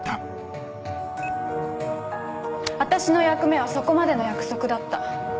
私の役目はそこまでの約束だった。